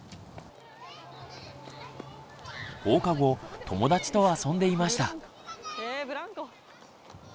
放課後友達と遊んでいました。